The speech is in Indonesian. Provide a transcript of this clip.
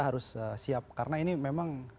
harus siap karena ini memang